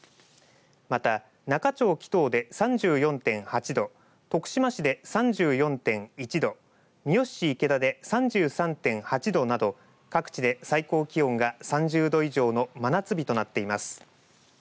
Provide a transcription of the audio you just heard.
また、那賀町木頭で３４．８度徳島市で３４．１度三好市池田で３３．８度など各地で最高気温が３０度以上の真夏日となっています。